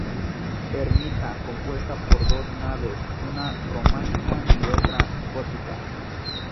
Ermita compuesta por dos naves, una románica y otra gótica.